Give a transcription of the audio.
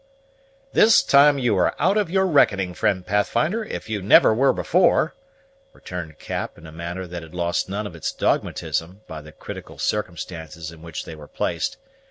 "This time you are out in your reckoning, friend Pathfinder, if you never were before," returned Cap in a manner that had lost none of its dogmatism by the critical circumstances in which they were placed.